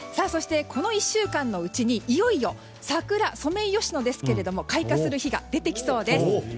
そして、この１週間のうちにいよいよ桜、ソメイヨシノですが開花する日が出てきそうです。